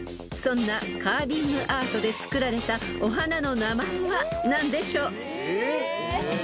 ［そんなカービングアートで作られたお花の名前は何でしょう？］